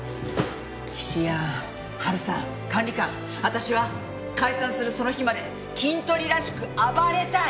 菱やん春さん管理官私は解散するその日までキントリらしく暴れたい！